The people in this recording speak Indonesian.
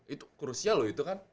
itu krusial loh itu kan